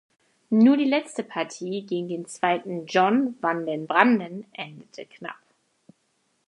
Nur die letzte Partie gegen den Zweiten John van den Branden endete knapp.